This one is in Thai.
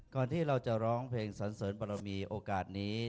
ที่เราจะร้องเพลงสันเสริญบรมีโอกาสนี้